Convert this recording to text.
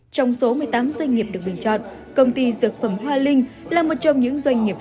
trong số một mươi tám doanh nghiệp được bình chọn công ty dược phẩm hoa linh là một trong những doanh nghiệp